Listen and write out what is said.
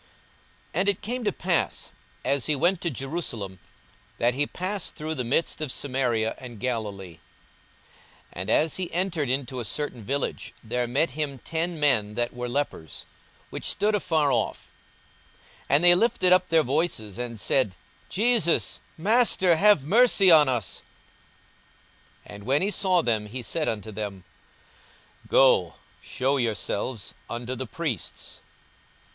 42:017:011 And it came to pass, as he went to Jerusalem, that he passed through the midst of Samaria and Galilee. 42:017:012 And as he entered into a certain village, there met him ten men that were lepers, which stood afar off: 42:017:013 And they lifted up their voices, and said, Jesus, Master, have mercy on us. 42:017:014 And when he saw them, he said unto them, Go shew yourselves unto the priests.